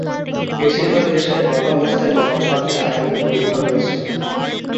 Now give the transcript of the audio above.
বেশিরভাগ দেশে গর্ভাবস্থায় গর্ভপাতের আইনি বৈধতা রয়েছে।